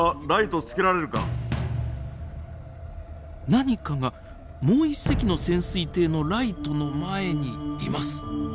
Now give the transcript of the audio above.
何かがもう一隻の潜水艇のライトの前にいます。